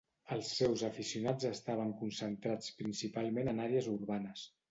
Els seus aficionats estaven concentrats principalment en àrees urbanes.